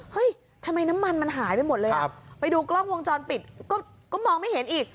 เฮ้ยทำไมน้ำมันมันหายไปหมดเลยอ่ะไปดูกล้องวงจรปิดก็มองไม่เห็นอีก